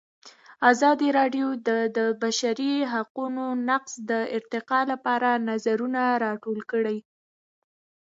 ازادي راډیو د د بشري حقونو نقض د ارتقا لپاره نظرونه راټول کړي.